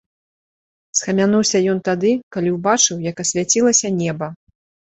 Схамянуўся ён тады, калі ўбачыў, як асвяцілася неба.